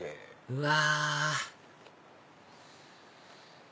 うわ！